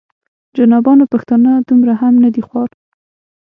جنابانو پښتانه دومره هم نه دي خوار.